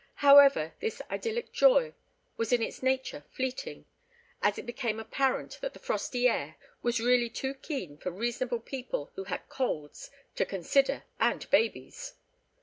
However, this idyllic joy was in its nature fleeting, as it became apparent that the frosty air "was really too keen for reasonable people who had colds to consider and babies."